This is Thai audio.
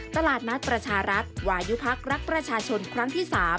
ตลาดนัดประชารัฐวายุพักรักประชาชนครั้งที่๓